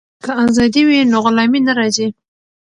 که ازادي وي نو غلامي نه راځي.